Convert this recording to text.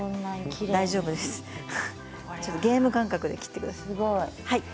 大丈夫ですゲーム感覚で切ってください。